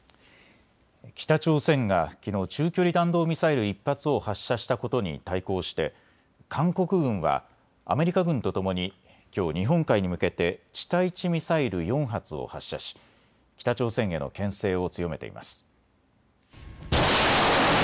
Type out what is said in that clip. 北朝鮮がきのう中距離弾道ミサイル１発を発射したことに対抗して韓国軍はアメリカ軍とともにきょう、日本海に向けて地対地ミサイル４発を発射し北朝鮮へのけん制を強めています。